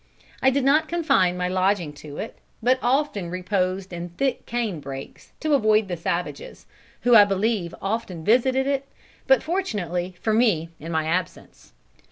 I did not confine my lodging to it, but often reposed in thick cane brakes, to avoid the savages, who I believe often visited it, but, fortunately for me, in my absence.